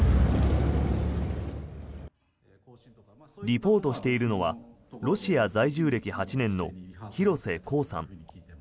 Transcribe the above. リポートしているのはロシア在住歴８年の廣瀬功さん。